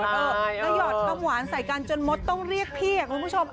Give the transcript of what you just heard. กระหยอดคำหวานใส่กันจนมทร์ต้องเรียกพี่เองค่ะคุณผู้ชม